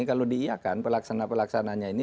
kalau diiakan pelaksana pelaksananya ini